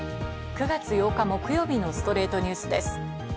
９月８日、木曜日の『ストレイトニュース』です。